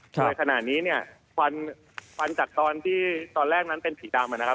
ในขณะนี้เนี่ยควันจากตอนที่ตอนแรกนั้นเป็นสีดำนะครับ